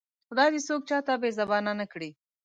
خدای دې څوک چاته بې زبانه نه کړي